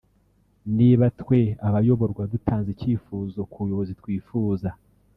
Niba twe abayoborwa dutanze icyifuzo ku buyobozi twifuza